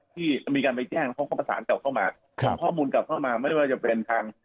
ที่มีการไปแจ้งแล้วเขาก็ประสานกลับเข้ามาส่งข้อมูลกลับเข้ามาไม่ว่าจะเป็นทาง